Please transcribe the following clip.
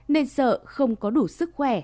nên sợ không có đủ sức khỏe